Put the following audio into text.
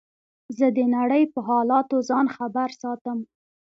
زه د نړۍ په حالاتو ځان خبر ساتم.